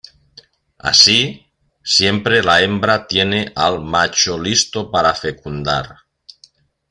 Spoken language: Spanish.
Así, siempre la hembra tiene al macho listo para fecundar.